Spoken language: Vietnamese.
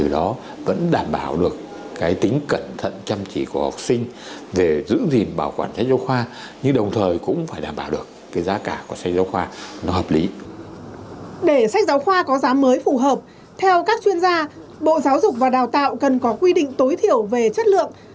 để sách giáo khoa có giá mới phù hợp theo các chuyên gia bộ giáo dục và đào tạo cần có quy định tối thiểu về chất lượng